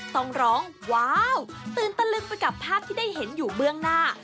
ต้องร้องว้าวตื่นตะลึงไปกับภาพที่ได้เห็นอยู่เบื้องหน้า